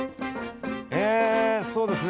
えそうですね